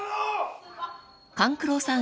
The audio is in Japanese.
［勘九郎さん